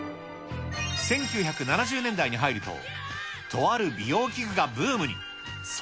１９７０年代に入ると、とある美容器具がブームに。